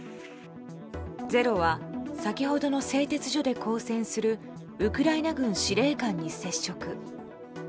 「ｚｅｒｏ」は先ほどの製鉄所で抗戦するウクライナ軍司令官に接触。